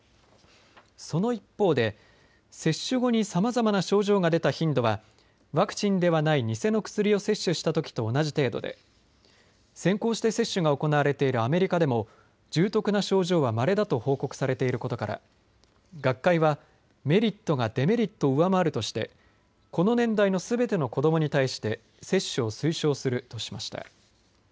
その一方で接種後にさまざまな症状が出た頻度はワクチンではない偽の薬を接種したときと同じ程度で先行して接種が行われているアメリカでも重篤な症状は、まれだと報告されていることから学会はメリットがデメリットを上回るとしてこの年代のすべての子どもに対して接種を推奨するとしました。